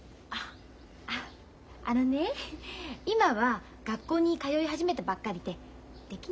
ああのね今は学校に通い始めたばっかりでできないの。